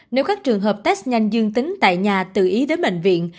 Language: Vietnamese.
nếu các trường hợp test nhanh dương tính tại nhà tự ý đến bệnh viện